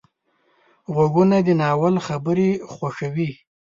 غوږونه د ناول خبرې خوښوي